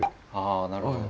あなるほど。